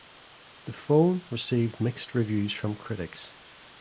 The phone received mixed reviews from critics.